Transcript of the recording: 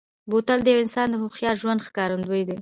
بوتل د یوه انسان هوښیار ژوند ښکارندوي کوي.